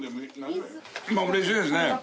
うれしいですね。